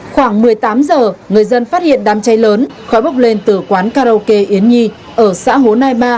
khoảng một mươi tám giờ người dân phát hiện đám cháy lớn khói bốc lên từ quán karaoke yến nhi ở xã hồ nai ba